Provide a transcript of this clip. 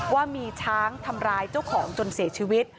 ว่ามีช้างทำร้ายเจ้าของจนเสียชีวิต